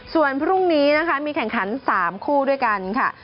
ส่วนพรุ่งนี้นะคะมีแข่งขัน๓คู่ด้วยกันค่ะ